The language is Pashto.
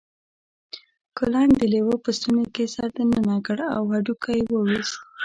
کلنګ د لیوه په ستوني کې سر دننه کړ او هډوکی یې وویست.